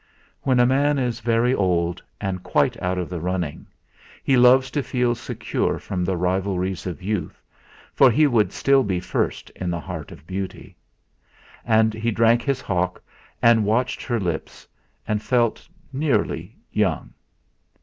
When a man is very old and quite out of the running, he loves to feel secure from the rivalries of youth, for he would still be first in the heart of beauty. And he drank his hock, and watched her lips, and felt nearly young.